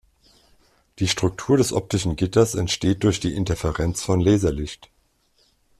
Die Struktur des optischen Gitters entsteht durch die Interferenz von Laserlicht.